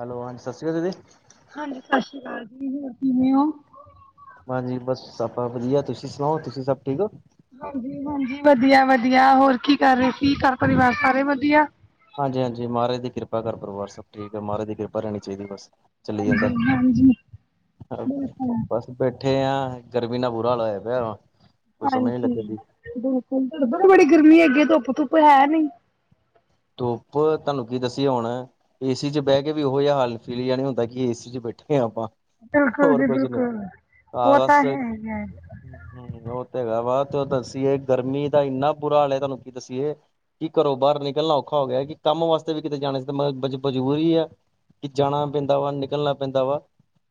Hello ਹਾਂਜੀ ਸਤਿ ਸ਼੍ਰੀ ਅਕਾਲ ਦੀਦੀ ਹਾਂਜੀ ਸਤਿ ਸ੍ਰੀ ਅਕਾਲ ਜੀ, ਹੋਰ ਕਿਵੇਂ ਹੋ? ਹਾਂਜੀ ਬਸ ਆਪਾ ਵਧੀਆ ਤੁਸੀਂ ਸੁਣਾਓ ਤੁਸੀਂ ਸਭ ਠੀਕ ਹੋ ਹਾਂਜੀ -ਹਾਂਜੀ, ਵਧੀਆ- ਵਧੀਆ ਹੋਰ ਕੀ ਕਰ ਰਹੇ ਸੀ ਘਰ ਪਰਿਵਾਰ ਸਾਰੇ ਵਧੀਆ ਹਾਂਜੀ- ਹਾਂਜੀ ਮਹਾਰਾਜ ਦੀ ਕਿਰਪਾ ਘਰ ਪਰਿਵਾਰ ਸਭ ਠੀਕ ਹੈ, ਮਹਾਰਾਜ ਦੀ ਕਿਰਪਾ ਰਹਿਣੀ ਚਾਹੀਦੀ ਬਸ ਚਲੀ ਜਾਂਦਾ, ਹਾਂਜੀ ਹਾਂਜੀ ਬਿਲਕੁਲ ਬਸ ਬੈਠੇ ਆ, ਗਰਮੀ ਨਾਲ ਬੁਰਾ ਹਾਲ ਹੋਇਆ ਪਿਆ ਕੋਈ ਸਮਝ ਨੀ ਲੱਗਣ ਹਾਂਜੀ, ਦੀ ਉਧਰ ਬੜੀ ਗਰਮੀ ਹੈਗੀ ਧੁੱਪ- ਧੁੱਪ ਹੈ ਨੀ ਧੁੱਪ, ਤੁਹਾਨੂੰ ਕੀ ਦੱਸੀ ਹੁਣ ਏਸੀ ਚ ਬਹਿ ਕੇ ਵੀ ਉਹੋ ਜਿਹਾ ਹਾਲ, ਫੀਲ ਜਾ ਨਹੀਂ ਹੁੰਦਾ ਕਿ ਏਸੀ ਚ ਬੈਠੇ ਹਾਂ ਆਪਾਂ ਬਿਲਕੁਲ ਹੋਰ ਜੀ ਕੁਛ ਨੀ, ਬਿਲਕੁਲ ਹਹ ਉਹ ਤਾਂ ਬਸ ਹ ਹੈ ਹੀ ਹੈ ਹਮ ਉਹ ਤੇ ਹੈਗਾ ਵਾ ਤੇ ਉਹ ਦੱਸੀਏ ਗਰਮੀ ਦਾ ਇੰਨਾ ਬੁਰਾ ਹਾਲ ਹੈ ਤੁਹਾਨੂੰ ਕੀ ਦੱਸੀਏ ਕੀ ਘਰੋ ਬਾਹਰ ਨਿਕਲਣਾ ਔਖਾ ਹੋ ਗਿਆ ਕਿ ਕੰਮ ਵਾਸਤੇ ਵੀ ਕਿਤੇ ਜਾਣੇ ਬਜਬੂਰੀ ਹੈ ਕਿ ਜਾਣਾ ਪੈਂਦਾ ਵਾ, ਨਿਕਲਣਾ ਪੈਂਦਾ ਵਾ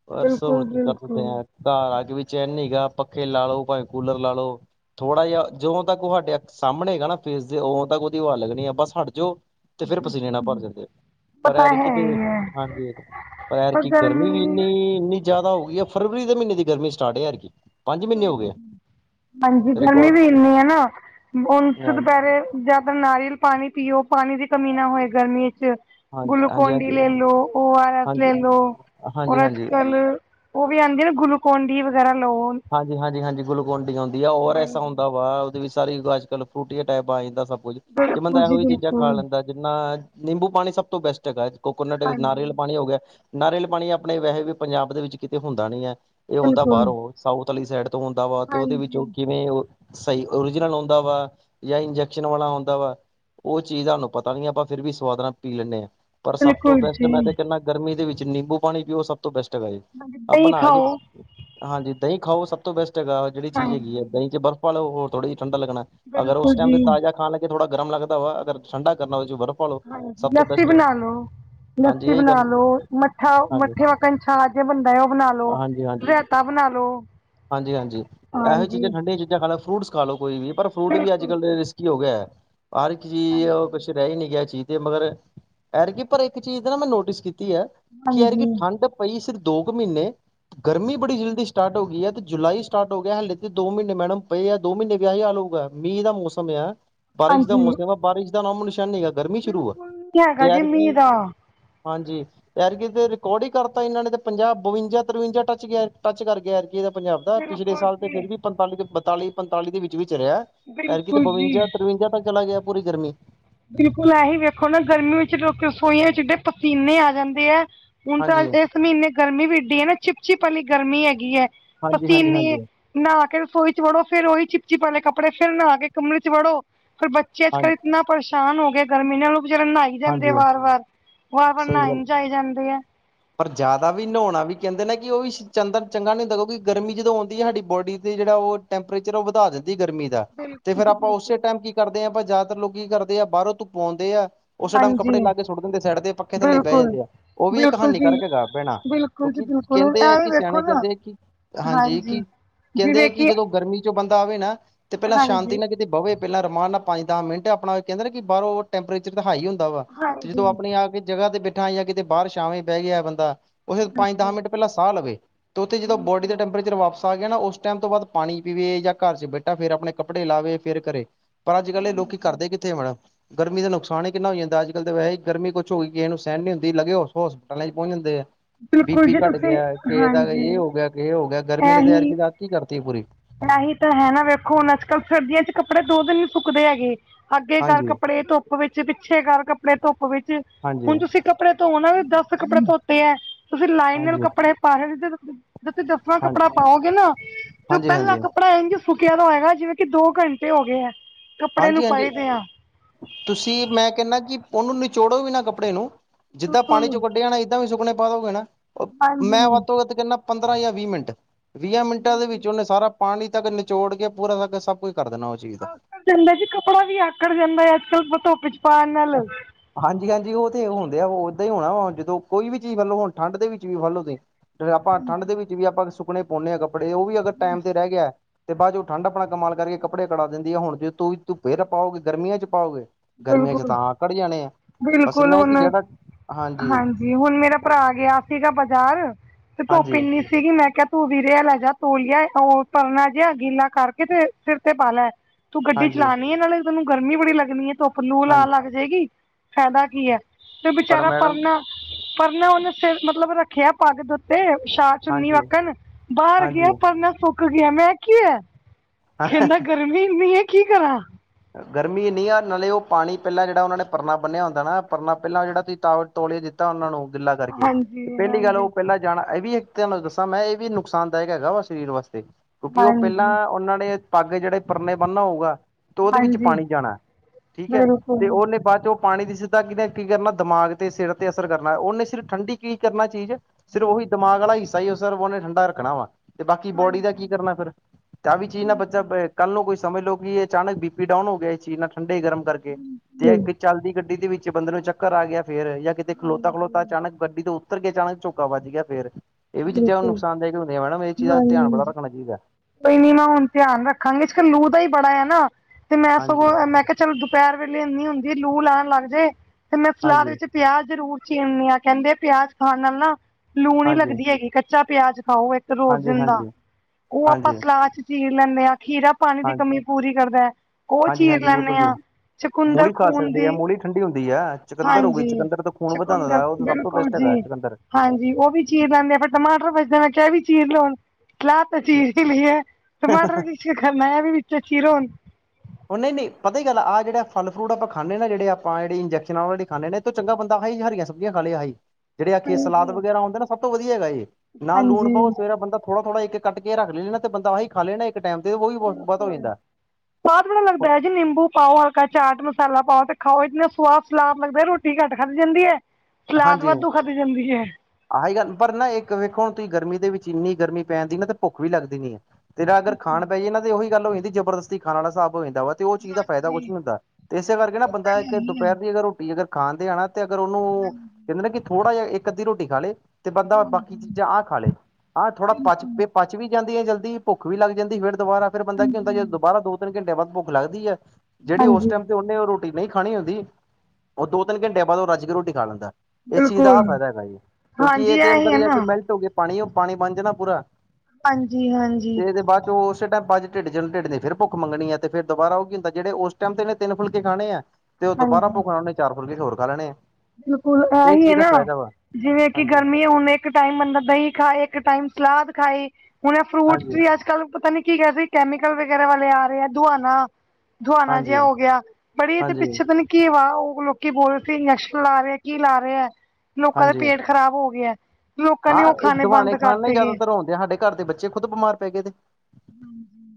ਪਰ ਹੁਣ ਬਿਲਕੁਲ ਕੀ ਕਰ ਸਕਦੇ ਬਿਲਕੁਲ। ਹੈ ਘਰ ਆ ਕੇ ਵੀ ਚੈਨ ਨਹੀ ਹੈਗਾ, ਪੱਖੇ ਲਾ ਲਓ, ਭਾਵੇ ਕੂਲਰ ਲਾ ਲਓ, ਥੋੜਾ ਜਿਹਾ ਜਦੋਂ ਤੱਕ ਸਾਡੇ ਸਾਹਮਣੇ ਹੈਗਾ ਨਾ ਫੇਸ ਦੇ ਉਦੋ ਤੱਕ ਉਹਦੀ ਹਵਾ ਲੱਗਣੀ ਆ ਬਸ ਹਟ ਜਾਓ, ਤੇ ਫਿਰ ਪਸੀਨੇ ਨਾਲ ਭਰ ਜਾਂਦੇ ਪਰ ਪਤਾ ਐਤਕੀ ਹੈ ਕਿਤੇ, ਹੀ ਹੈ ਹਾਂਜੀ, ਪਰ ਐਤਕੀ ਗਰਮੀ ਵੀ ਇੰਨੀ- ਇੰਨੀ ਜ਼ਿਆਦਾ ਹੋਗੀ, ਫਰਵਰੀ ਦੇ ਮਹੀਨੇ ਦੀ ਗਰਮੀ ਸਟਾਰਟ ਹੈ ਐਤਕੀ ਹਾਂਜੀ, ਗਰਮੀ ਰਿਕਾਰਡ ਵੀ ਇੰਨੀ ਆ ਨਾ, ਹੁਣ ਹਾਂਜੀ ਦੁਪਹਿਰੇ ਜਿਆਦਾ ਨਾਰੀਅਲ ਪਾਣੀ ਪੀਓ, ਪਾਣੀ ਦੀ ਕਮੀ ਨਾ ਹੋਏ ਗਰਮੀ ਚ ਹਾਂਜੀ ਹਾਂਜੀ ਗੁਲੂਕੋਨਡੀ ਹਾਂਜੀ ਲੈ ਲਓ ਓ ਆਰ ਐਫ ਲੈ ਹਾਂਜੀ ਲੋ, ਹਾਂਜੀ ਔਰ ਅੱਜ ਹਾਂਜੀ ਕਲ ਉਹ ਵੀ ਆਦੀ ਨਾ ਗਲੂਕੋਨ ਡੀ ਵਗੈਰਾ ਲੋ ਹਾਂਜੀ-ਹਾਂਜੀ-ਹਾਂਜੀ, ਗੁਲਕੋਡੀ ਆਦੀ ਆ ਔਰ ਐਸਾ ਹਾਂਜੀ ਹੁੰਦਾ ਵਾ, ਉਹਦੇ ਸਾਰੀ ਅੱਜ-ਕੱਲ ਫਰੂਟੀ ਏ ਟਾਈਪ ਆ ਜਾਂਦਾ, ਸਭ-' ਕੁਝ ਕਿ ਬੰਦਾ ਬਿਲਕੁਲ ਇਹੋ ਜੀ ਜਹੀ ਚੀਜ਼ਾਂ ਖਾ ਬਿਲਕੁਲ ਲੈਂਦਾ, ਜਿੰਨਾ ਨਿੰਬੂ ਪਾਣੀ ਸਭ ਤੋਂ ਬੈਸਟ ਹੈਗਾ, ਕੋਕੋਨਟ ਨਾਰੀਅਲ ਹਾਂਜੀ ਪਾਣੀ ਹੋ ਗਿਆ, ਨਾਰੀਅਲ ਪਾਣੀ ਆਪਣੇ ਵੈਸੇ ਵੀ ਪੰਜਾਬ ਦੇ ਵਿੱਚ ਕਿਤੇ ਹੁੰਦਾ ਨੀ ਹੈ, ਇਹ ਹੁੰਦਾ ਬਿਲਕੁਲ ਬਾਹਰ ਹੋ ਸਾਊਥ ਵਾਲੀ ਸਾਈਡ ਤੋਂ ਹੁੰਦਾ ਵਾ ਤੇ ਉਹਦੇ ਹਾਂਜੀ ਵਿੱਚੋਂ ਕਿਵੇਂ ਸਹੀ ਔਰੀਜਨਲ ਹੁੰਦਾ ਵਾ, ਜਾਂ ਇੰਜੈਕਸ਼ਨ ਵਾਲਾ ਹੁੰਂਦਾ ਵਾ ਉਹ ਚੀਜ਼ ਤੁਾਨੂੰ ਪਤਾ ਨੀ ਆਪਾਂ ਫਿਰ ਵੀ ਸਵਾਦ ਨਾਲ ਪੀ ਲੈਂਦੇ ਹਾਂ, ਪਰ ਸਭ ਤੋਂ ਬਿਲਕੁਲ ਬੈਸਟ ਜੀ ਮੈਂ ਤੇ ਕਹਿੰ ਗਰਮੀ ਦੇ ਵਿੱਚ ਨਿੰਬੂ ਪਾਣੀ ਪੀਓ ਸਭ ਤੋਂ ਬੈਸਟ ਹੈਗਾ, ਜੀ ਆਪ ਦਹੀਂ ਬਣਾ ਕੇ ਖਾਓ ਹਾਂਜੀ ਦਹੀਂ ਖਓ ਸਭ ਤੋਂ ਬੈਸਟ ਹੈਗਾ, ਉਹ ਜਿਹੜੀ ਚੀਜ਼ ਹਾਂਜੀ ਹੈਗੀ ਹੈ, ਐ ਦਹੀਂ ਚ ਬਰਫ਼ ਪਾਲੋ ਥੋੜਾ ਹੋਰ ਠੰਡਾ ਲੱਗਣਾ। ਅਗਰ ਬਿਲਕੁਲ ਉਸ ਟਾਈਮ ਤੇ ਜੀ ਤਾਜਾ ਖਾਣ ਲੱਗੇ, ਥੋੜਾ ਗਰਮ ਲਗਦਾ ਹੋਏ, ਅਗਰ ਠੰਡਾ ਕਰਨਾ ਹੋਏ ਤਾ ਬਰਫ਼ ਪਾ ਲਓ ਹਾਂ ਸਭ ਤੋਂ ਲੱਸੀ ਬੈਸਟ ਹੈ ਬਣਾ ਲੋ, ਹਾਂਜੀ ਲੱਸੀ ਇਹੀ ਬਣਾ ਗੱਲ ਲੋ, ਮੱਠਾ ਹਾਂਜੀ ਮੱਠੇ ਵਰਗਾ ਛਾ ਜਿਹਾ ਬਣਦਾ ਹੈ, ਉਹ ਬਣਾਲੋ ਰੇਈਤਾ ਬਣਾਲੋ, ਹਾਂਜੀ-ਹਾਂਜੀ, ਇਹੋ ਹੀ ਚੀਜ਼ਾਂ ਠੰਡੀਆਂ ਚੀਜ਼ਾਂ ਖਾਲੋ ਫਰੂਟਸ ਖਾ ਲਓ, ਵੀ ਪਰ ਫਰੂਟ ਵੀ ਬਿਲਕੁਲ ਅੱਜ-ਕੱਲ੍ਹ ਰਿਸ ਕੀ ਹੋ ਗਿਆ, ਹਰ ਇੱਕ ਚੀਜ਼ ਕੁਛ ਰਹਿ ਹੀ ਨਹੀਂ ਗਿਆ, ਚੀਜ਼ ਤੇ ਮਗਰ ਐਤਕੀ ਪਰ ਇੱਕ ਚੀਜ਼ ਨਾ ਮੈਂ ਨੋਟਿਸ ਕੀਤੀ ਹੈ ਕਿ, ਐਤਕੀ ਹਾਂਜੀ ਠੰਡ ਠੰਡ ਪਾਈ ਸੀ, ਸਿਰਫ ਦੋ ਕੁ ਮਹੀਨੇ ਗਰਮੀ ਬੜੀ ਜਲਦੀ ਸਟਾਰਟ ਹੋ ਗਈ ਹੈ। ਜੁਲਾਈ ਸਟਾਰਟ ਹੋ ਗਿਆ, ਹਲੇੇ ਤੇ ਦੋ ਮਹੀਨੇ ਮੈਡਮ ਪਏ ਆ, ਦੋ ਮਹੀਨੇ ਵੀ ਆ ਹੀ ਹਾਲ ਹੋਊਗਾ, ਮੀਹ ਦਾ ਮੌਸਮ ਹੈ। ਬਾਰਿਸ਼ ਦਾ ਹਾਂਜੀ ਮੌਸਮ ਆ, ਬਾਰਿਸ਼ ਦਾ ਨਾਮ ਨਿਸ਼ਾਨ ਨੀ ਗਾ ਗਰਮੀ ਸ਼ੁਰੂ ਆ, ਬਿਲਕੁਲ ਨੀ ਤੇ ਹੈਗਾ ਜੀ ਯਾਰ ਮੀਂਹ ਕਿ ਦਾ ਹਾਂਜੀ ਐਤਕਿ ਤੇ ਰਿਕਾਰਡ ਹੀ ਕਰਤਾ, ਇਹਨਾਂ ਨੇ ਤੇ ਪੰਜਾਹ ਬਵੰਜਾ ਤਰਵੰਜਾ ਟੱਚ ਗਿਆ, ਟੱਚ ਕਰ ਗਿਆ। ਦਾ ਪੰਜਾਬ ਦਾ ਪਿਛਲੇ ਬਿਲਕੁਲ ਸਾਲ ਤੇ ਜੀ ਫਿਰ ਵੀ ਪੰਤਾਲੀ ਬਤਾਲੀ ਪੰਤਾਲੀ ਦੇ ਵਿੱਚ ਵੀ ਰਿਹਾ। ਔਤਕੀ ਤੇ ਬਿਲਕੁਲ ਜੀ ਬਵੰਜਾ-ਤਰਵੰਜਾ ਤੱਕ ਚਲਾ ਗਿਆ ਪੂਰੀ ਗਰਮੀ, ਬਿਲਕੁਲ ਇਹੀ ਵੇਖੋ ਨਾ, ਗਰਮੀ ਵਿੱਚ ਲੋਕ ਰਸੋਈਆਂ ਵਿੱਚੋਂ ਪਸੀਨੇ ਆ ਜਾਂਦੇ ਹੈ। ਹੁਣ ਤਾਂ ਹਾਂਜੀ ਇਸ ਮਹੀਨੇ ਗਰਮੀ ਵੀ ਇੱਡੀ ਹੈ, ਨਾ ਚਿਪ-ਚਿਪ ਵਾਲੀ ਗਰਮੀ ਹੈਗੀ ਹੈ ਹਾਂਜੀ ਹਾਂਜੀ ਪਸੀਨੇ, ਹਾਂਜੀ ਨਹਾ ਕੇ ਰਸੋਈ ਚ ਵੜੋ, ਫੇਰ ਉਹੀ ਚਿਪਚਿਪ ਵਾਲੇ ਕੱਪੜੇ ਫਿਰ ਨਹਾ ਕੇ ਕਮਰੇ ਚ ਵੜੋ ਫਿਰ ਬ ਚੇਜ ਕਰ ਹਾਂਜੀ ਇਤਨਾ ਪਰੇਸ਼ਾਨ ਹੋ ਗਿਆ, ਗਰਮੀ ਨਾਲ ਲੋਕ ਜਰ ਜਾਂਦੇ ਆ ਹਾਂਜੀ ਵਾਰ-ਵਾਰ-ਵਾਰ-ਵਾਰ ਸਹੀ ਨਹਾ ਗੱਲ ਈ ਜਾਏ ਜਾਂਦੇ ਆ। ਪਰ ਜ਼ਿਆਦਾ ਵੀ ਨਹਾਉਣਾ ਵੀ, ਕਹਿੰਦੇ ਨੇ ਕਿ ਉਹ ਵੀ ਚੰ ਚੰਗਾ ਨਹੀਂ ਹੁੰਦਾ, ਕਿਉਂਕਿ ਗਰਮੀ ਜਦੋਂ ਆਉਂਦੀ ਹੈ, ਸਾਡੀ ਬੋਡੀ ਤੇ ਜਿਹੜਾ ਉਹ ਟੈਂਪਰੇਚਰ ਉਹ ਵਧਾ ਦਿੰਦੀ ਐ ਗਰਮੀ ਤੇ ਬਿਲਕੁਲ ਫੇਰ ਜੀ ਆਪਾਂ ਉਸੇ ਬਿਲਕੁਲ ਟਾਈਮ ਕੀ ਕਰਦੇ ਹਾਂ, ਜ਼ਿਆਦਾਤਰ ਲੋਕ ਕੀ ਕਰਦੇ ਆ ਬਾਹਰੋਂ ਧੁੱਪ ਆਦੇ ਆ। ਉਸ ਟੈਮ ਹਾਂਜੀ ਕੱੜੇ ਲਾ ਕੇ ਸੁੱਟ ਦਿੰਦੇ, ਸਾਈਡ ਦੇ ਪੱਖੇ ਥੱਲੇ ਬਹਿ ਬਿਲਕੁਲ ਜਾਂਦੇ ਆ ਉਹ ਵੀ ਇੱਕ ਬਿਲਕੁਲ ਹਾਨੀ ਜੀ ਕਰਕੇ ਗਾ ਬਿਨਾਂ ਬਿਲਕੁਲ ਜੀ ਕਿਉਂਕਿ ਬਿਲਕੁਲ ਕਹਿੰਦੇ ਆ ਐ ਕਿ ਵੇਖੋ ਸਿਆਣੇ ਨਾ ਕਹਿੰਦੇ ਹੈ, ਕਿ ਹਾਂਜੀ ਕਿ ਕਹਿੰਦੇ ਹੈ ਕਿ ਜਦੋਂ ਗਰਮੀ ਜੋ ਬੰਦਾ ਆਵੇ ਨਾ, ਤੇ ਪਹਿਲਾਂ ਸ਼ਾਂਤੀ ਹਾਂਜੀ ਨਾ ਕਿਤੇ ਬਵੇ, ਪਹਿਲਾਂ ਰਮਾਨ ਨਾਲ ਪੰਜ ਦ ਮਿੰਟ ਆਪਣਾ ਕਹਿੰਦੇ ਨਾ ਕਿ ਬਾਹਰੋਂ ਟੈਂਪਰੇਚਰ ਤਾਂ ਹਾਈ ਹੁੰਦਾ ਵਾ, ਤੇ ਹਾਂਜੀ ਜਦੋਂ ਆਪਣੀ ਆ ਕੇ ਜਗ੍ਹਾ ਤੇ ਬੈਠਾ ਜਾਂ ਕਿਤੇ ਬਾਹਰ ਸ਼ਾਮੇ ਬਹਿ ਗਿਆ ਬੰਦਾ ਉੇ ਪੰਜ ਦਸ ਬਿਲਕੁਲ ਮਿੰਟ ਪਹਿਲਾਂ ਸਾਹ ਲਵੇ, ਅਤੇ ਉੱਥੇ ਜਦੋਂ ਬੋਡੀ ਦਾ ਟੈਂਪਰੇਚਰ ਵਾਪਸ ਆ ਗਿਆ ਨਾ, ਉਸ ਟਾਈਮ ਤੋਂ ਬਾਅਦ ਪਾਣੀ ਪੀਵੇ ਜਾਂ ਘਰ ਬੈਠਾ ਫਿਰ ਆਪਣੇ ਕੱਪੜੇ ਲਾਵੇ ਫੇਰ ਕਰੇ ਪਰ ਅੱਜ-ਕੱਲ੍ਹ ਇਹ ਲੋਕੀ ਕਰਦੇ ਕਿੱਥੇ ਐ ਮੈਡਮ, ਗਰਮੀ ਦਾ ਨੁਕਸਾਨ ਹੀ ਕਿੰਨਾ ਹੋ ਜਾਂਦਾ, ਅੱਜ-ਕੱਲ ਤਾਂ ਵੈੇਸੇ ਹੀ ਗਰਮੀ ਕੁਛ ਹੋ ਗਈ, ਇਹ ਨੂੰ ਸਹਿਣ ਨੀ ਹੁੰਦੀ ਲੱਗੇ ਹੋਸ ਖਿਆਲਾ ਚ ਪਹੁੰਚ ਜਾਂਦੇ ਆ, ਬੀ ਬਿਲਕੁਲ ਪੀ ਜੀ ਘੱਟ ਤੁਸੀਂ ਗਿਆ, ਕਿਸ ਦਾ ਹਾਂਜੀ ਇਹ ਹੋ ਗਿਆ ਕਿਸ ਹੋ ਗਿਆ, ਗਰਮੀ ਨੇ ਐਰਕੀ ਦਾ ਕੀ ਕਰਤੀ ਪੂਰੀ ਪੜਾਹੀ ਤਾਂ ਹੈ ਨਾ ਵੇਖੋ, ਹੁਣ ਅੱਜ ਕੱਲ੍ਹ ਸਰਦੀਆਂ ਚ ਕੱਪੜੇ ਦੋ ਦਿਨ ਹੀ ਸੁੱਕਦੇ ਹੈਗੇ। ਅੱਗੇ ਕਰ ਹਾਂਜੀ ਕੱਪੜੇ ਧੁੱਪ ਵਿੱਚ ਪਿੱਛੇ ਕਰ ਕੱਪੜੇ ਧੁੱਪ ਵਿੱਚ ਹਾਂਜੀ ਹੁਣ ਹਾਂਜੀ ਤੁਸੀਂ ਕੱਪੜੇ ਧੋਣਾ ਦਸ ਕੱਪੜੇ ਧੋ ਪਿਆ, ਤੁਸੀਂ ਲਾਈਨ ਨਾਲ ਹਾਂਜੀ ਕੱਪੜੇ [unintelligible] ਤੁਸੀਂ ਦਸਵਾਂ ਕੱਪੜਾ ਪਾਓਗੇ ਨਾ ਜੋ ਹਾਂਜੀ ਹਾਂਜੀ ਪਹਿਲਾ ਹਾਂਜੀ ਕੱਪੜਾ ਇਹ ਸੁੱਕਿਆ ਹੋਏਗਾ, ਜਿਵੇਂ ਕਿ ਦੋ ਘੰਟੇ ਹੋ ਗਏ ਹੈ। ਕੱਪੜੇ ਨੂੰ ਪਾਏ ਹਾਂਜੀ-ਹਾਂਜੀ, ਦੇ ਆ ਤੁਸੀਂ ਮੈਂ ਕਹਿੰਦਾ, ਕਿ ਉਹਨੂੰ ਨਿਚੋੜੋ ਵੀ ਨਾ ਕੱਪੜੇ ਨੂੰ ਜਿੱਦਾਂ ਪਾਣੀ ਬਿਲਕੁਲ ਚੋਂ ਕੱਢੇ ਜਾਣਾ ਏਦਾਂ ਵੀ ਸੁੱਕਣੇ ਪਾ ਦਓਗੇ ਨਾ, ਮੈਂ ਹਾਂਜੀ ਵੱਧ ਤੋਂ ਵੱਧ ਕਹਿੰਦਾ, ਪੰਦਰਾਂ ਜਾਂ ਵੀਹ ਮਿੰਟ ਵੀਹ ਮਿੰਟਾਂ ਦੇ ਵਿੱਚ ਉਹਨੇ ਸਾਰਾ ਪਾਣੀ ਤੱਕ ਨਿਚੋੜ ਕੇ ਪੂਰਾ ਤੱਕ ਸਭ ਕੁਝ ਕਰ ਦੇਣਾ ਉਹ ਚੀਜ਼ ਆਕੜ ਜਾਂਦਾ ਜੀ ਕੱਪੜਾ ਵੀ ਆਕੜ ਜਾਂਦਾ ਅੱਜ-ਕੱਲ ਧੂਪ ਚ ਪਾਉਣ ਨਾਲ। ਹਾਂਜੀ-ਹਾਂਜੀ, ਉਹ ਤੇ ਹੁੰਦੇ ਆ ਓਦਾਂ ਹੀ ਹੋਣਾ ਵਾ ਜਦੋਂ ਕੋਈ ਵੀ ਚੀਜ਼ ਫੜਲੋ ਹੁਣ ਠੰਡ ਦੇ ਵੀ ਫੜਲੋ ਤੁਸੀਂ। ਆਪਾਂ ਠੰਢ ਦੇ ਵਿੱਚ ਵੀ ਆਪਾਂ ਸੁੱਕਨਣੇ ਪਾਉਂਦੇ ਹਾਂ ਕੱਪੜੇ ਉਹ ਵੀ ਅਗਰ ਟਾਈਮ ਤੇ ਰਹਿ ਗਿਆ। ਤੇ ਬਾਅਦ ਚ ਉਹ ਠੰਡ ਆਪਣਾ ਕਮਾਲ ਕਰਕੇ ਕੱਪੜੇ ਅਕੜਾ ਦਿੰਦੀ ਆ, ਹੁਣ ਜੇ ਤੁਸੀਂ ਧੁੱਪੇ ਫੇਰ ਪਾਓਗੇ ਗਰਮੀਆਂ ਚ ਪਾਓਗੇ। ਗਰਮੀਆਂ ਚ ਬਿਲਕੁਲ ਤਾਂ ਆਕੜ ਜਾਣੇ ਆ ਬਸ ਇਨਾ ਹੈ, ਕਿ ਜਿਹੜਾ ਹਾਂਜੀ ਵੀ ਹੁਣ ਮੇਰਾ ਭਰਾ ਗਿਆ ਸੀਗਾ, ਬਾਜ਼ਾਰ ਤੇ ਧੁੱਪ ਹਾਂਜੀ, ਇੰਨੀ ਸੀਗੀ ਮੈਂ ਕਿਹਾ ਤੂੰ ਵੀਰੇ ਇਹ ਲੈ ਜਾਿਹਾ ਤੋਲਿਆ ਉਹ ਪਰਨਾ ਜਿਹਾ ਗੀਲਾ ਕਰਕੇ ਤੇ ਸਿਰ ਤੇ ਪਾ ਲੈ। ਤੂੰ ਗੱਡੀ ਹਾਂਜੀ, ਚਲਾਣੀ ਹੈ ਨਾਲੇ ਤੈਨੂੰ ਗਰਮੀ ਬੜੀ ਲੱਗਣੀ ਹੈ, ਧੁੱਪ, ਲੂ-ਲ ਹਾਂਜੀ ਲੱਗ ਜਾਏਗੀ ਫਾਇਦਾ ਕੀ ਹੈ? ਤੇ ਪਰ ਵਿਚੇਚਾਰਾ ਮੈਡਮ ਪਰਨਾ-ਪਰਨਾ ਉਹਨੇ ਸਿਰ ਮਤਲਬ ਰੱਖਿਆ ਪੱਗ ਦੇ ਉੱਤੇ ਸ਼ਾ ਚੁੰਨੀ ਹਾਂਜੀ, ਵੱਖਣ ਬਾਹਰ ਹਾਂਜੀ ਗਿਆ ਪਰ ਨਾ ਸੁੱਕ ਗਿਆ ਮੈਂ ਕੀ ਹੈ? ਕਹਿੰਦਾ, ਗਰਮੀ ਇੰਨੀ ਹੈ ਕੀ ਕਰਾਂ? ਗਰਮੀ ਇਂਹੀਂ ਆ ਨਾਲੇ ਉਹ ਪਾਣੀ ਪਹਿਲਾਂ ਜਿਹੜਾ ਉਹਨਾਂ ਨੇ ਪਰਨਾ ਬੰਨਿਆ ਹੁੰਦਾ ਨਾ ਪਰਨਾ ਪਹਿਲਾਂ ਜਿਹੜਾ ਤੁਸੀਂ ਤ ਤੋਲੀਆ ਦਿੱਤਾ ਉਹਨਾਂ ਨੂੰ ਗਿੱਲਾ ਕਰਕੇ, ਤੇ ਹਾਂਜੀ, ਪਹਿਲੀ ਗੱਲ ਹਾਂਜੀ, ਉਹ ਪਹਿਲਾਂ ਜਾਣਾ, ਇਹ ਵੀ ਇੱਕ ਤੁਹਾਨੂੰ ਦੱਸਾਂ ਮੈਂ ਇਹ ਵੀ ਨੁਕਸਾਨਦਾਇਕ ਹੈਗਾ ਵਾ ਸਰੀਰ ਵਾਸਤੇ। ਕਿਉਂਕਿ ਉਹ ਹਾਂਜੀ, ਪਹਿਲਾਂ ਉਹਨਾਂ ਨੇ ਪੱਗ ਜਿਹੜੇ ਪਰਨੇ ਬੰਨਨਾ ਹੋਊਗਾ। ਤੇ ਉਹਦੇ ਵਿੱਚ ਹਾਂਜੀ ਬਿਲਕੁਲ ਹਾਂਜੀ, ਪਾਣੀ ਜਾਣਾ ਠੀਕ ਹੈ ਬਿਲਕੁਲ, ਤੇ ਉਹਨੇ ਬਾਅਦ ਚੋਂ ਪਾਣੀ ਦੀ ਸਧਾਂ ਕਿ ਕੀ ਕਰਨਾ ਦਿਮਾਗ ਤੇ ਸਿਰ ਤੇ ਅਸਰ ਕਰਨਾ ਉਹਨੇ ਸਿਰਫ ਠੰਡੀ ਕੀ ਕਰਨਾ ਚੀਜ਼ ਸਿਰਫ ਉਹੀ ਦਿਮਾਗ ਵਾਲਾ ਹਿੱਸਾ ਹੀ ਉਹਨੇ ਠੰਡਾ ਰੱਖਣਾ ਵਾ। ਤੇ ਬਾਕੀ ਬੋਡੀ ਦਾ ਕੀ ਹਾਂਜੀ, ਕਰਨਾ ਫਿਰ ਤੇ ਆਹ ਵੀ ਚੀਜ਼ ਨਾ ਬੱਚਾ ਕੱਲ ਨੂੰ ਕੋਈ ਸਮਝ ਲਉ ਕਿ ਇਹ ਅਚਾਨਕ ਬੀਪੀ ਡਾਊਨ ਹੋ ਗਿਆਏ ਇਸ ਚੀਜ ਨਾਲ ਠੰਡੇ-ਗਰਮ ਕਰਕੇ ਤੇ ਇਹ ਚੱਲਦੀ ਗੱਡੀ ਦੇ ਵਿੱਚ ਬੰਦੇ ਨੂੰ ਚੱਕਰ ਆ ਗਿਆ ਫੇਰ ਜਾਂ ਕਿਤੇ ਖਲੋਤਾ-ਖਲੋਤਾ ਅਚਾਨਕ ਗੱਡੀ ਤੋਂ ਉਤਰ ਕੇ ਅਚਾਨਕ ਛੋਕਾ ਵੱਜ ਗਿਆ ਫੇਰ। ਇਹ ਵੀ ਚੀਜ਼ ਬਿਲਕੁਲ ਨੁਕਸਾਨਇਕ ਹੁੰਦੀਆਂ ਮੈਢਮ ਇਹ ਚੀਜਾ ਦਾ ਧਿਆਨ ਬੜਾ ਹਾਂਜੀ। ਰੱਖਣਾ ਚਾਹੀਦਾ। ਕੋਈ ਨੀ ਮੈਂ ਹੁਣ ਧਿਆਨ ਰੱਖਾਂਗੀ ਅੱਜ-ਕੱਲ ਲੂ ਦਾ ਵੀ ਬੜਾ ਹੈਨਾ ਤੇ ਮੈਂ ਸਗੋਂ ਹਾਂਜੀ ਮੈਂ ਕਿਹਾ ਚਲੋ ਦੁਪਹਿਰ ਵੇਲੇ ਇੰਨੀ ਹੁੰਦੀ ਲੂ-ਲਾਉਣ ਲੱਗ ਜਏ ਤੇ ਮੈਂ ਸਲਾਹ ਦੇ ਹਾਂਜੀ ਵਿੱਚ ਪਿਆਜ਼ ਜ਼ਰੂਰ ਚੀਰਨੀ ਆ ਕਹਿੰਦੇ ਪਿਆਜ ਖਾਣ ਨਾਲ ਨਾ ਲੂ ਨੀ ਹਾਂਜੀ ਲੱਗਦੀ। ਹੈਗੀ, ਕੱਚਾ ਪਿਆਜ ਖਾਓ ਇੱਕ ਰੋਜ਼ ਹਾਂਜੀ ਦਿਨ ਦਾ ਹਾਂਜੀ ਉਹ ਆਪਾਂ ਹਾਂਜੀ ਸਲਾਦ ਚ ਚੀਰ ਲੈਂਦੇ ਹਾਂ ਖੀਰਾ ਪਾਣੀ ਦੀ ਹਾਂਜੀ ਕਮੀ ਪੂਰੀ ਕਰਦਾ ਹੈ ਉਹ ਹਾਂਜੀ ਚੀਰ ਹਾਂਜੀ ਲੈਂਦੇ ਬਿਲਕੁਲ ਸਹੀ ਹਾਂ, ਚਕੁੰਦਰ ਮੂਲੀ ਖਾ ਖੂਨ ਸਕਦੇ ਆ ਦੀ ਮੂਲੀ ਠੰਡੀ ਹੁੰਦੀ ਹੈ, ਚਕੰਦਰਰ ਹੋ ਗਈ ਹਾਂਜੀ ਚਕੰਦਰ ਤੋਂ ਖੂਨ ਵਧਾਉਦਾ ਚਕੁੰਦਰ ਦਾ ਉਹ ਸਭ ਤੋਂ ਬਿਲਕੁਲ ਬੈਸਟ ਹੈਗਾ ਜੀ ਚਕੰਦਰਰ। ਹਾਂਜੀ, ਉਹ ਵੀ ਚੀਰ ਲੈਂਦੇ ਆ ਫਿਰ ਟਮਾਟਰ ਬਚਦੇ ਨੇ ਮੈਂ ਕਿਹਾ ਇਹ ਵੀ ਚੀਰ ਲਾਉ ਉਣ ਸਲਾਦ ਤਾਂ ਚੀਜ਼ ਹੀ ਲਇਏ। ਟਮਾਟਰ ਕਿ ਕਰਨਾ, ਐਵੀ ਚੀਰੋ ਉਨ। ਉਹ ਨਹੀਂ- ਨਹੀ, ਪਤਾ ਕੀ ਗੱਲ ਆ ਜਿਹੜੇ ਫਲ-ਫੂਰਟ ਖਾਂਦੇ ਨਾ ਜਿਹੜੇ ਆਪਾ ਇੰਜਕਸ਼ਨ ਵਾਲਾ ਖਾਂਦੇ ਨੇ ਚੰਗਾ ਬੰਦਾ ਜੀ ਹਰੀਆਂ ਸਬਜ਼ੀਆਂ ਖਾਲੇ ਹਰੀ ਜਿਹੜੇ ਆਖੀਏ ਸਲਾਦ ਹਾਂਜੀ ਵਗੈਰਾ ਹੁੰਦੇ ਨਾ, ਸਭ ਤੋਂ ਵਧੀਆ ਹੈਗਾ ਇਹ ਨਾਲ ਲੂਣ ਹਾਂਜੀ ਪਾਓ ਸਵੇਰਾ ਬੰਦਾ ਥੋੜਾ-ਥੋੜਾ ਇੱਕ-ਇੱਕ ਕੱਟ ਰੱਖ ਲਏ ਤੇ ਬੰਦਾ ਇਹੀ ਖਾ ਲਏ ਇੱਕ ਟਾਈਮ ਤੇ ਉਹ ਵੀ ਬਹੁ-ਬਹੁਤ ਹੋ ਬਿਲਕੁਲ ਜਾਂਦਾ। ਸਵਾਦ ਬੜਾ ਲੱਗਦਾ ਹੈ ਜੀ ਨਿੰਬੂ ਪਾਓ ਹਲਕਾ ਚਾਟ ਮਸਾਲਾ ਪਾਓ ਤੇ ਖਾਓ, ਇੰਨਾ ਸਵਾਦ ਸਲਾਦ ਲੱਗਦਾ ਰੋਟੀ ਘੱਟ ਖਾਧੀ ਜਾਂਦੀ ਹੈ ਸਲਾਦ ਹਾਂਜੀ ਵਾਧੂ ਖਾਧੀ ਜਾਂਦੀ ਹੈ। ਆਹੀ ਗੱਲ ਪਰ ਨਾ ਇੱਕ ਵੇਖੋ ਹੁਣ ਤੁਸੀਂ ਗਰਮੀ ਦੇ ਵਿੱਚ ਇੰਨੀ ਗਰਮੀ ਪੈਂਦੀ ਨਾ ਤੇ ਭੁੱਖ ਵੀ ਲੱਗਦੀ ਨੀ ਹੈ। ਤੇਰਾ ਅਗਰ ਖਾਣ ਪੈ ਜਾਏ ਨਾ ਤੇ ਉਹੀ ਗਲ ਹੋ ਜਾਂਦੀ ਜਬਰਦਸਤੀ ਖਾਣ ਵਾਲਾ ਹਿਸਾਬ ਹੋ ਜਾਂਦਾ ਵਾ। ਤੇ ਉਹ ਚੀਜ਼ ਦਾ ਫਾਇਦਾ ਕੁਛ ਹਾਂਜੀ ਨੀ ਹੁੰਦਾ ਤੇ ਇਸੇ ਕਰਕੇ ਨਾ ਉਹ ਤਾਂ ਬੰਦਾ ਹੈ ਇੱਕ ਹੀ ਹੈ ਦੁਪਹਿਰ ਦੀ ਅਗਰ ਰੋਟੀ ਅਗਰ ਖਾਣਦੇ ਆ ਤੇ ਅਗਰ ਉਹਨੂੰ ਕਹਿੰਦੇ ਨਾ ਕਿ ਥੋੜਾ ਜਿਹਾ ਇੱਕ-ਅੱਧੀ ਰੋਟੀ ਖਾ ਲਏ। ਤੇ ਬੰਦਾ ਬਾਕੀ ਚੀਜ਼ਾਂ ਆਹ ਖਾ ਲੈ ਆ ਥੋੜਾ ਬਿਲਕੁਲ ਪਚ-ਪਚ। ਪਚ ਵੀ ਜਾਂਦੀ ਹੈ ਜਲਦੀ ਭੁੱਖ ਵੀ ਲੱਗ ਜਾਂਦੀ ਫਿਰ ਦੁਬਾਰਾ ਫਿਰ ਬੰਦਾ ਕਿ ਹੁੰਦਾ ਜ ਦੁਬਾਰਾ ਦੋ-ਤਿੰਨ ਘੰਟਿਆਂ ਬਾਅਦ ਭੁੱਖ ਲੱਗਦੀ ਹੈ। ਜਿਹੜੀ ਉਸ ਹਾਂਜੀ ਟਾਈਮ ਤੇ ਉਹਨੇ ਉਹ ਰੋਟੀ ਨਹੀਂ ਖਾਣੀ ਹੁੰਦੀ ਉਹ ਦੋ-ਤਿੰਨ ਘੰਟਿਆਂ ਬਾਅਦ ਉਹ ਰੱਜ ਕੇ ਰੋਟੀ ਖਾ ਲੈਂਦਾ। ਇਸ ਚੀਜ਼ ਦਾ ਆਹ ਬਿਲਕੁਲ ਫਾਇਦਾ ਹੈਗਾ ਜੀ ਕਿਉਂਕਿ ਹਾਂਜੀ ਇਹ ਤੇ ਇਹੀ ਅੰਦਰ ਹੀ ਹੈ ਨਾ ਕਿ ਮੈਲਟ ਹੋ ਗਈ। ਪਾਣੀ ਉਹ ਪਾਣੀ ਬਣ ਜਾਣਾ ਪੂਰਾ ਹਾਂਜੀ ਹਾਂਜੀ ਤੇ ਇਹਦੇ ਬਾਅਦ ਚ ਉਹ ਉਸ ਟੱ ਢਿੱਡ-ਢਿੱਡ ਨੇ ਫਿਰ ਭੂਖ ਮੰਗਣੀ ਫਿਰ ਦੁਬਾਰਾ ਉਹ ਕੀੁ ਉਨਂਦਾ ਜਿਹੜੇ ਟਾਈਮ ਤੇ ਇਹਨੇ ਤਿਨ ਫੁੱਲਕੇ ਖਾਣੇ ਆ। ਤੇ ਉਹ ਦੁਬਾਰਾ ਹਾਂਜੀ ਭੁੱਖ ਨਾਲ ਚਾਰ ਫੁੁਲਕੇ ਹੋਰ ਖਾ ਲੈਣੇਆ। ਬਿਲਕੁਲ ਇਹਹੀ ਹੈ ਨਾ ਜਿਵੇਂ ਕਿ ਹਾਂਜੀ ਗਰਮੀ ਹੁਣ ਇੱਕ ਟਾਈਮ ਬੰ ਦਹੀਂ ਖਾਏ, ਇੱਕ ਟਾਈਮ ਸਲਾਦ ਖਾਏ ਹੁਣ ਫਰੂਟ ਹਾਂਜੀ ਵੀ ਅੱਜ-ਕੱਲ੍ਹ ਪਤਾ ਨੀ ਕੀ ਕਹਿ ਰਹੇ ਸੀ? ਕੈਮੀਕਲ ਵਗੈਰਾ ਵਾਲੇ ਆ ਰਹੇ ਆ ਦੁਆਣਾ ਦੁਆਣਾ ਹਾਂਜੀ ਜਿਹਾ ਹੋ ਗਿਆ ਬੜੀ ਇਹਦੇ ਹਾਂਜੀ ਪਿੱਛੇ ਤਾਂ ਨੀ ਕੀ ਵਾਓ ਉਹ ਲੋਕੀ ਬੋਲ ਰਹੇ ਸੀ ਇੰਜੈਕਸ਼ਨ ਲਾ ਰਹੇ ਕੀ ਲਾ ਰਹਾ ਹੈ ਲੋਕਾਂ ਦੇ ਹਾਂਜੀ ਪੇਟ ਖ਼ਰਾਬ ਹੋ ਗਿਆ ਲੋਕਾਂ ਨੇ ਉਹ ਖਾਣੇ ਬੰਦ ਕਰਤੇ ਹੈ। ਜਾਂ ਤੇ ਘਰ ਦੇ ਬੱਚੇ ਖੁਦ ਬਿਮਾਰ ਪੈ ਗਏ ਤੇ ਹੂੰ -ਹੂੰ।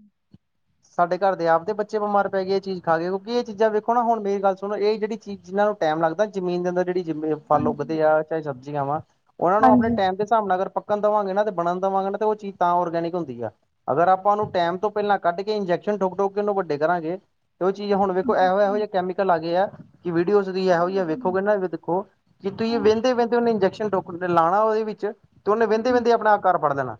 ਸਾਡੇ ਘਰ ਦੇ ਆਪਦੇ ਬੱਚੇ ਬਮਾਰ ਪੈ ਗਏ ਜੀ ਇਹ ਚੀਜ਼ਾਂ ਖਾ ਕੇ, ਕਿਉਂਕਿ ਇਹ ਚੀਜ਼ਾਂ ਦੇਖੋ ਨਾ ਹੁਣ ਮੇਰੀ ਗੱਲ ਸੁਣੋ ਇਹ ਜਿਹੜੀ ਜਿਨਾਂ ਨੂੰ ਟੈਮ ਲੱਗਦਾ ਜ਼ਮੀਨ ਦੇ ਅੰਦਰ ਜਿਹੜੀ ਜਿਮੇਂ ਫਲ ਉੱਗਦੇ ਆ ਚਾਏ ਸਬਜ਼ੀਆਂ ਵਾ, ਓਨਾਂ ਨੂੰ ਅਪਣੇ ਹਾਂਜੀ ਟੈਮ ਤੇ ਹਿਸਾਬ ਨਾਲ ਅਗਰ ਪੱਕਣ ਦਵਾਂਗੇ ਨਾ ਤੇ ਬਣਨ ਦਵਾਂਗੇ ਨਾ ਤੇ ਓਹ ਚੀਜ਼ ਤਾਂ ਔਰਗੈਨਿਕ ਹੁੰਦੀ ਆ। ਅਗਰ ਆਪਾਂ ਓਨੂੰ ਟੈਮ ਤੋਂ ਪੈਲਾਂ ਕੱਢ ਕੇ ਇੰਜੈਕਸ਼ਨ ਠੋਕ-ਠੋਕ ਕੇ ਓਨੂੰ ਵੱਡੇ ਕਰਾਂਗੇ ਤੇ ਓਹ ਚੀਜ ਹੁਣ ਵੇਖੋ ਐਹੋ-ਐਹੋ ਜੇ ਕੈਮੀਕਲ ਆ ਗਏ ਐ ਕਿ ਵੀਡੀਓਜ਼ ਦੀ ਐਹੋ ਹੀ ਹੈ, ਵੇਖੋਗੇ ਨਾ ਵੀ ਦੇਖੋ ਕਿ ਤੁਹੀਂ ਵੈੰਦੇ-ਵੈੰਦੇ ਓਨੇ ਇੰਜੈਕਸ਼ਨ ਠੋਕਣ ਤੇ ਲਾਣਾ ਓਹਦੇ ਵਿੱਚ ਤੇ ਓਨੇ ਵੈੰਦੇ-ਵੈੰਦੇ ਅਪਣਾ ਅਕਾਰ ਫੜ੍ਹ ਲੈਣਾ।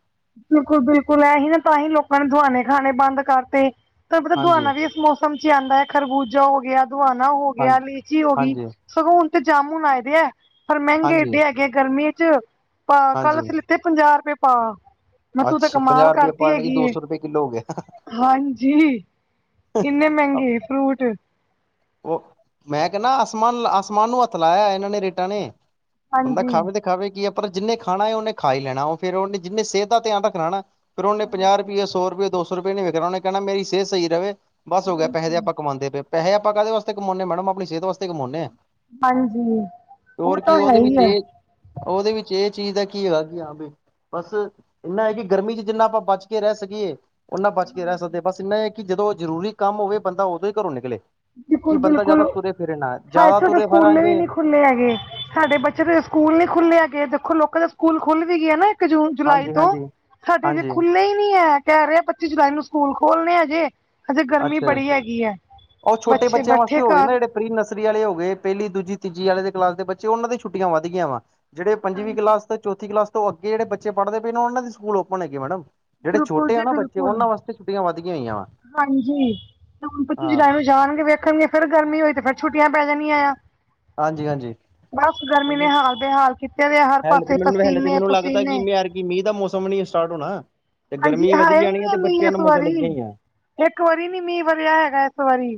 ਬਿਲਕੁਲ-ਬਿਲਕੁਲ, ਐਹੀ ਨਾ ਤਾਂ ਹੀ ਲੋਕਾਂ ਨੇ ਦੁਆਣੇ ਖਾਣੇ ਬੰਦ ਕਰਤੇ ਤੁੂਹਾਨੂੰ ਪਤਾ ਹਾਂਜੀ ਦੁਆਣਾ ਵੀ ਇਸ ਮੋਸ ਸਮਝ ਚ ਆਂਦਾ ਖਰਬੂਜਾ ਹੋ ਗਿਆ, ਦੁਆਣਾ ਹੋ ਗਿਆ, ਹਾਂਜੀ ਲੀਚੀ ਹੋਗੀ। ਹਾਂਜੀ ਸਗੌ ਹੁਣ ਤੇ ਜਾਮੁਣ ਆਏ ਦੇ ਐ, ਪਰ ਮੈੰਗੇ ਹਾਂਜੀ ਇਡੇ ਹੈਗੇ ਐ ਗਰਮੀ ਇਚ ਅਸੀਕਨ ਕੱਲ ਹਾਂਜੀ ਅਸੀਂ ਲਿੱਤ ਤੇ ਪੰਜਾਹ ਰੁਪਏ ਪਾ। ਮੈਂ ਤੂੰ ਤਾਂ ਅੱਛਾ ਕਮਾਲ ਪੰਜਾਹ ਰੁਪਏ ਕਰਤੀ ਪਾਨੀ, ਹੈਗੀ ਦੋ ਏ ਸੌ ਰੁਪਏ ਕਿੱਲੋ ਹੋ ਗਿਆ। ਹਾਂਜੀ, ਇੰਨੇ ਮਹਿੰਗੇ ਫਰੂਟ। ਓ, ਮੈਂ ਕਹਿੰਦਾ ਆਸਮਾਨ, ਆਸਮਾਨ ਨੂੰ ਹੱਥ ਲਾਇਆ ਏਨਾਂ ਨੇ, ਰੇਟਾਂ ਨੇ। ਬੰਦਾ ਹਾਂਜੀ ਖਾਵੇ ਤੇ- ਖਾਵੇ ਕੀ। ਪਰ ਜਿੰਨੇ ਖਾਣਾ, ਓਹਨੇ ਖਾ ਈ ਲੈਣਾ। ਓ ਫੇਰ ਓਨੇ ਜਿੰਨੇ ਸਿਹਤ ਦਾ ਧਿਆਨ ਰੱਖਣਾ ਨਾ- ਫੇਰ ਓਨੇ ਪੰਜਾਹ ਰੁਪ‌ਈਏ, ਸੌ ਰੁਪਏ, ਦੋ ਸੌ ਰੁਪਏ ਨੀ ਵੇਖਣਾ। ਓਨੇ ਕਹਿਣਾ ਮੇਰੀ ਸਿਹਤ ਸ‌ਈ ਰਵੇ। ਬਸ ਹੋ ਗਿਆ। ਪੈੇਹੇ ਤੇ ਆਪਾਂ ਕਮਾਉਂਦੇ ਪ‌ਏਂ। ਪੈਹੇ ਆਪਾਂ ਕਾਹਦੇ ਵਾਸਤੇ ਕਮਾਉਂਦੇ ਮੈਡਮ, ਆਪਣੀ ਸਿਹਤ ਵਾਸਤੇ ਈ ਕਮਾਉਂਦੇ ਆਂ। ਹਾਂਜੀ ਓ ਤਾਂ ਹੈ ਈ ਐ। ਓਦੇ ਵਿੱਚ ਏ ਚੀਜ਼ ਦਾ ਕੀ ਹੈਗਾ ਕੀ ਹਾਂ ਵੀ। ਬਸ, ਇੰਨਾ ਐ ਕੀ ਗਰਮੀ 'ਚ ਜਿੰਨਾ ਆਪਾਂ ਬਚ ਕੇ ਰਹਿ ਸਕੀਏ। ਓਨਾਂ ਬਚ ਕੇ ਰੈ ਸਕਦੇ। ਬਸ ਇੰਨਾ ਏ ਕੀ ਜਦੋਂ ਜ਼ਰੂਰੀ ਕੰਮ ਹੋਵੇ, ਬੰਦਾ ਓਦੋਂ ਈ ਘਰੋਂ ਨਿਕਲੇ। ਬਿਲਕੁਲ ਕਿ ਬੰਦਾ ਬਿਲਕੁਲ। ਜ਼ਿਆਦਾ ਤੁਰੇ ਫਿਰੇ ਨਾ ਹ‌ਏ ਤੇ ਜ਼ਿਆਦਾ ਸਾਡੇ ਤੁਰੇ ਸਕੂਲ ਨੇ ਵੀ ਫਿਰਾਂਗੇ ਨੀ- ਖੁੱਲੇ ਹੈਗੇ। ਸਾਡੇ ਬੱਚਿਆਂ ਦੇ ਸਕੂਲ ਨੀ ਖੁੱਲੇ ਹੈਗੇ। ਦੇਖੋ ਲੋਕਾਂ ਦੇ ਸਕੂਲ ਖੁੱਲ ਵੀ ਗਏ ਐ ਨਾ। ਇੱਕ ਜੂਨ, ਜੁਲਾਈ ਹਾਂਜੀ ਤੋਂ। ਹਾਂਜੀ ਸਾਡੇ ਹਜੇ ਹਾਂਜੀ ਖੁੱਲੇ ਈ ਨੀ ਹੈ। ਕਹਿ ਰਹੇ ਆ ਪੱਚੀ ਜੁਲਾਈ ਨੂੰ ਸਕੂਲ ਖੋਲਣੇ ਹਜੇ। ਹਜੇ ਗਰਮੀ ਬੜੀ ਹੈਗੀ ਐ। ਓ ਛੋਟੇ ਬੱਚਿਆਂ ਵਾਸਤੇ ਹੋ ਗਏ ਨਾ ਜੇੜੇ- ਪ੍ਰੀ ਨਰਸਰੀ ਆਲੇ ਹੋ ਗਏ। ਪੈਲੀ, ਦੂਜੀ, ਤੀਜੀ ਆਲੇ ਦੇ ਕਲਾਸ ਦੇ ਬੱਚੇ, ਓਨਾਂ ਦੀਆਂ ਛੁੱਟੀਆਂ ਵੱਧ ਗਈਆਂ ਵਾਂ। ਜੇੜੇ ਪੰਜਵੀਂ ਹਾਂਜੀ ਕਲਾਸ ਤੋਂ ਚੌਥੀ ਕਲਾਸ ਤੋਂ ਅੱਗੇ ਜੇੜੇ ਬੱਚੇ ਪੜ੍ਹਦੇ ਪਏ ਨੇ, ਓਨਾਂ ਦੇ ਸਕੂਲ ਓਪਨ ਹੈਗੇ ਮੈਡਮ। ਜੇੜੇ ਬਿਲਕੁਲ ਛੋਟੇ ਜੀ ਆ ਨਾ ਬੱਚੇ, ਬਿਲਕੁਲ ਓਨਾਂ ਵਾਸਤੇ ਛੁੱਟੀਆਂ ਵਧ ਗਈਆਂ ਹੋਈਆਂ ਵਾ। ਹਾਂਜੀ, ਤੇ ਹੁਣ ਪੱਚੀ ਹਾਂ ਜੁਲਾਈ ਨੂੰ ਜਾਣਗੇ। ਵੇਖਣਗੇ ਫੇਰ ਗਰਮੀ ਹੋਈ, ਤੇ ਫੇਰ ਛੁੱਟੀਆਂ ਪੈ ਜਾਣੀਆਂ ਆ। ਹਾਂਜੀ- ਹਾਂਜੀ ਬਸ ਗਰਮੀ ਨੇ ਹਾਲ ਬੇਹਾਲ ਕੀਤੇ ਵੇ ਆ। ਹਰ ਪਾਸੇ ਪਸੀਨੇ- ਪਸੀਨੇ- ਕੀ ਮੀਂ ਦਾ ਮੌਸਮ ਨੀ ਸਟਾਰਟ ਹੋਣਾ। ਤੇ ਹਾਂਜੀ ਗਰਮੀ ਵਧੀ ਆਇਆ ਹੀ ਜਾਣੀ ਐ, ਨਹੀਂ ਤੇ ਮੀਂਹ ਬੱਚਿਆਂ ਇਸ ਨੂੰ ਮੋਜਾ ਵਾਰੀ ਲੱਗੀਆਂ ਹੋਈਆਂ। ਇੱਕ ਵਾਰੀ ਨੀ ਮੀਂ ਵਰਿਆ ਹੈਗਾ। ਇਕ ਵਰੀ-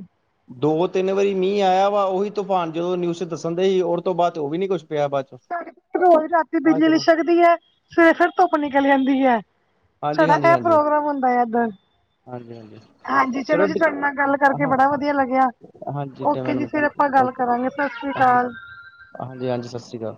ਦੋ- ਤਿੰਨ ਵਾਰੀ ਮੀਂ ਆਆ ਵਾ। ਓਹੀ ਤੂਫਾਨ ਜਦੋਂ ਨਿਊਸ 'ਚ ਦੱਸਣ ਦ‌ਏ ਸੀ। ਓਰ ਤੋਂ ਬਾਦ ਓ ਵੀ ਨੀ ਕੁੱਛ ਪਿਆ ਬਾਦ 'ਚੋਂ। ਸਾਡੇ ਰੋਜ਼ ਰਾਤੀ ਬਿਜਲੀ ਲਿਛਕਦੀ ਹੈ, ਸਵੇਰੇ ਫਿਰ ਧੁੱਪ ਨਿਕਲ ਆਂਦੀ ਐ। ਹਾਂਜੀ- ਹਾਂਜੀ- ਹਾਂਜੀ। ਇੱਧਰ ਹਾਂਜੀ- ਹਾਂਜੀ ਹਾਂਜੀ, ਚਲੋ ਜੀ ਤੁਆਡੇ ਨਾਲ ਗੱਲ ਕਰਕੇ ਹਾਂ ਬੜਾ ਵਧੀਆ ਲੱਗਿਆ। ਹਾਂਜੀ ਓਕੇ ਜੀ ਮੈਡਮ ਫੇਰ- ਠੀਕ ਹੈ ਆਪਾਂ ਗੱਲ ਓਕੇ ਕਰਾਂਗੇ। ਸਾਸਰੀ ਹਾਂਜੀ ਕਾਲ। ਹਾਂਜੀ- ਹਾਂਜੀ ਸਸਰੀ ਕਾਲ।